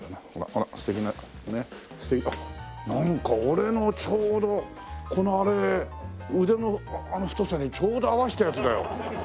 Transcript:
あっなんか俺のちょうどこの腕の太さにちょうど合わせたやつだよ。